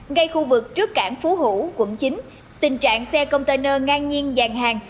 ngay khu vực trước cảng phú hủ quận chín tình trạng xe container ngang nhiên vàng hàng